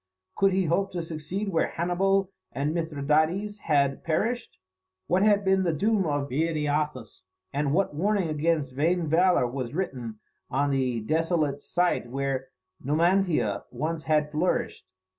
Could he hope to succeed where Hannibal and Mithridates had perished? What had been the doom of Viriathus? and what warning against vain valour was written on the desolate site where Numantia once had fourished?